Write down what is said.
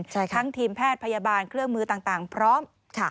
ทั้งทีมแพทย์พยาบาลเครื่องมือต่างพร้อมค่ะ